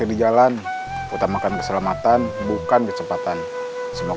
hari ini kita berjalan ke tempat yang lebih baik